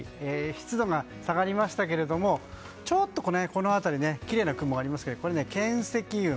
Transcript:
湿度が下がりましたけれどもちょっと、この辺りきれいな雲がありますがこれは巻積雲。